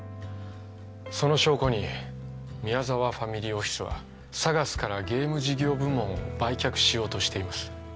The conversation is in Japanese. その証拠に宮沢ファミリーオフィスはＳＡＧＡＳからゲーム事業部門を売却しようとしています